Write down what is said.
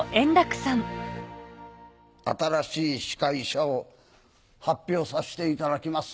新しい司会者を発表させていただきます。